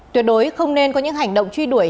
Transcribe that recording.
tuyệt đối không nên có những hành động truy đuổi